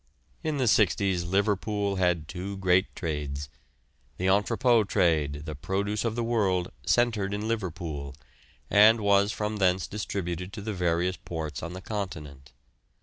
In the 'sixties Liverpool had two great trades. The entrepôt trade, the produce of the world, centred in Liverpool, and was from thence distributed to the various ports on the continent.